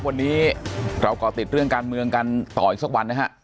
วันนี้เราก่อติดเรื่องการเมืองกันต่ออีกสักวันนะฮะ